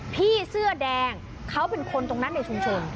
พี่เสื้อแดงเขาเป็นคนตรงนั้นในชุมชน